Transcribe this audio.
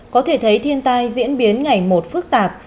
có thể thấy thiên tai diễn biến ngày một phức tạp